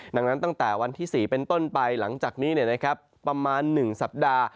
ดังนั้นตั้งแต่วันที่๔เป็นต้นไปหลังจากนี้ประมาณ๑สัปดาห์